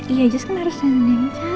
iya just kan harus dandan yang cantik